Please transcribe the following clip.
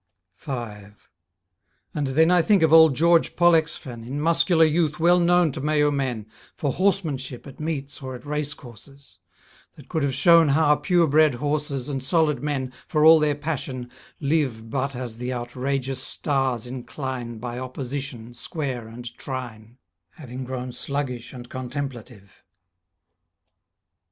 5 And then I think of old George Pollexfen, In muscular youth well known to Mayo men For horsemanship at meets or at race courses, That could have shown how purebred horses And solid men, for all their passion, live But as the outrageous stars incline By opposition, square and trine; Having grown sluggish and contemplative.